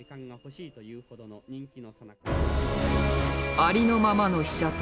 ありのままの被写体。